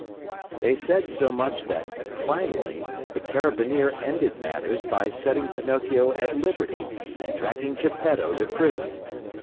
They said so much that, finally, the Carabineer ended matters by setting Pinocchio at liberty and dragging Geppetto to prison.